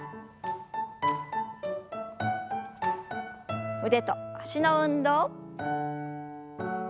腕と脚の運動。